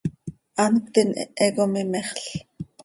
Hant cötiin, hehe com imexl.